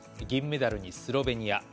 銀メダルにスロベニア。